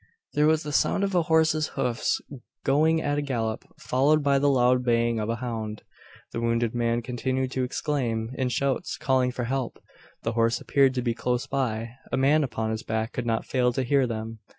There was the sound of a horse's hoofs going at a gallop, followed by the loud baying of a hound. The wounded man continued to exclaim, in shouts calling for help. The horse appeared to be close by. A man upon his back could not fail to hear them.